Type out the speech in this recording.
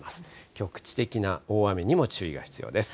局地的な大雨にも注意が必要です。